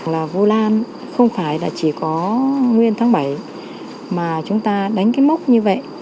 là vu lan không phải là chỉ có nguyên tháng bảy mà chúng ta đánh cái mốc như vậy